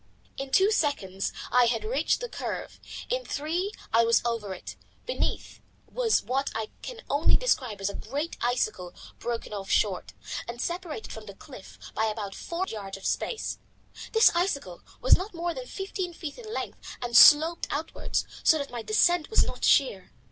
In two seconds I had reached the curve, in three I was over it. Beneath was what I can only describe as a great icicle broken off short, and separated from the cliff by about four yards of space. This icicle was not more than fifteen feet in length and sloped outwards, so that my descent was not sheer.